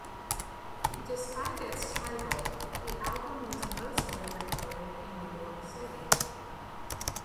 Despite its title, the album was mostly recorded in New York City.